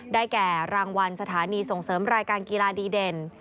แก่รางวัลสถานีส่งเสริมรายการกีฬาดีเด่น